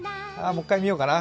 もう１回見ようかな。